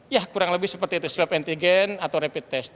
ya kurang lebih seperti itu swab antigen atau rapid test